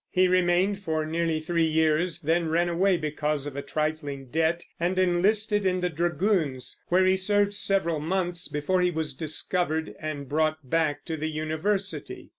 He remained for nearly three years, then ran away because of a trifling debt and enlisted in the Dragoons, where he served several months before he was discovered and brought back to the university.